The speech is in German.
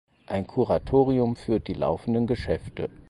Ein Kuratorium führt die laufenden Geschäfte.